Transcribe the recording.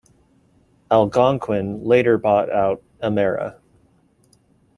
Algonquin later bought out Emera.